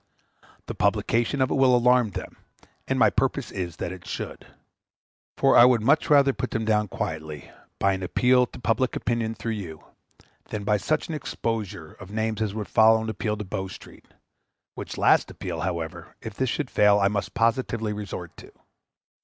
The publication of it will alarm them; and my purpose is that it should. For I would much rather put them down quietly, by an appeal to public opinion through you, than by such an exposure of names as would follow an appeal to Bow Street; which last appeal, however, if this should fail, I must positively resort to.